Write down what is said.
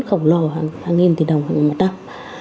khổng lồ hàng nghìn tỷ đồng hàng nghìn một năm